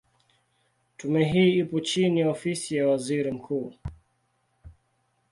Tume hii ipo chini ya Ofisi ya Waziri Mkuu.